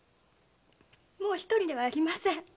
もう一人ではありません。